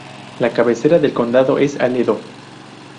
La cabecera del condado es Aledo.